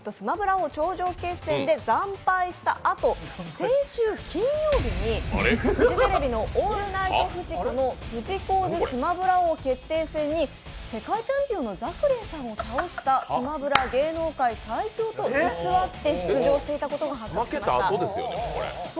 王頂上決戦」で惨敗したあと、先週金曜日にフジテレビの「オールナイトフジコ」のフジコーズスマブラ王決定戦に世界チャンピオンのザクレイさんを倒した、「スマブラ」芸能界最強と偽って出場していたことが分かりました。